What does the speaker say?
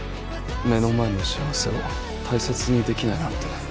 目の前の幸せを大切にできないなんて。